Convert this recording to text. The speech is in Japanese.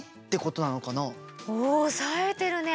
おさえてるね！